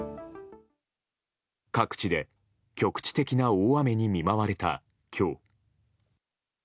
各地で局地的な大雨に見舞われた今日。